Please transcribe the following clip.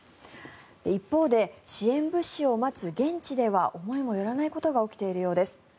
一方で支援物資を待つ現地では思いもよらないことが起きているようです。